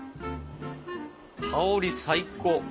香り最高！